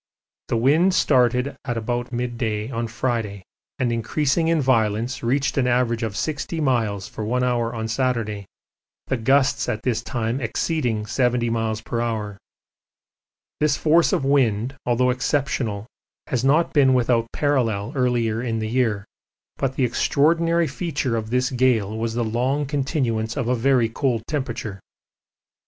The wind started at about mid day on Friday, and increasing in violence reached an average of 60 miles for one hour on Saturday, the gusts at this time exceeding 70 m.p.h. This force of wind, although exceptional, has not been without parallel earlier in the year, but the extraordinary feature of this gale was the long continuance of a very cold temperature.